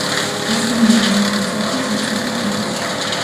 მისიონერულ მოღვაწეობას ეწოდა თბილისში.